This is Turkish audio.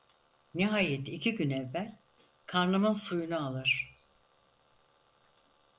Nihayet iki gün evvel: "Karnımın suyunu alır!"